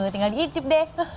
tinggal diicip deh